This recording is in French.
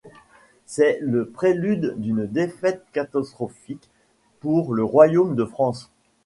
C'est le prélude d'une défaite catastrophique pour le royaume de France.